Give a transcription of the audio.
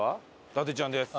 伊達ちゃんです。